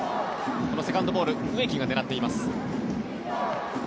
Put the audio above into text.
このセカンドボール植木が狙っています。